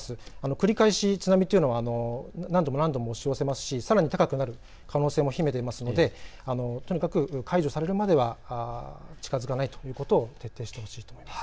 繰り返し津波というのは何度も何度も押し寄せますしさらに高くなる可能性も秘めているのでとにかく解除されるまでは近づかないということを徹底してほしいと思います。